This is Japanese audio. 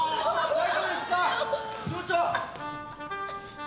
大丈夫ですか寮長！